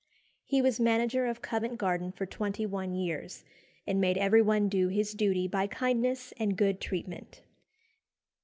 He was manager of Covent Garden for twenty one years, and made everyone do his duty by kindness and good treatment.